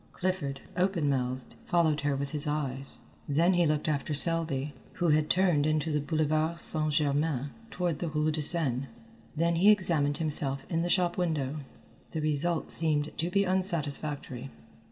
Clifford, open mouthed, followed her with his eyes; then he looked after Selby, who had turned into the Boulevard St. Germain toward the rue de Seine. Then he examined himself in the shop window. The result seemed to be unsatisfactory.